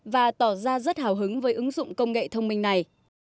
và tỏ ra rất hào hứng với ứng dụng công nghệ thông minh này